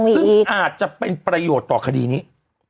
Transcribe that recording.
ซึ่งอาจจะเป็นประโยชน์ต่อคดีนี้